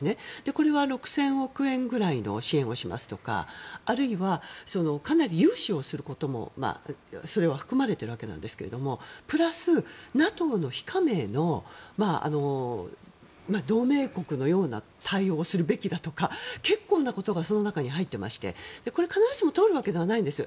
これは６０００億円ぐらいの支援をしますとかあるいはかなり融資をすることも含まれているわけなんですがプラス、ＮＡＴＯの非加盟の同盟国のような対応をするべきだとか結構なことがその中に入っていましてこれ、必ずしも通るわけではないんです。